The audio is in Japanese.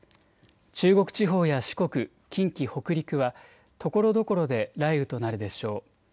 中国地方や四国、近畿、北陸はところどころで雷雨となるでしょう。